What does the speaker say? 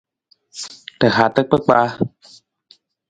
Ra hata kpakpaa.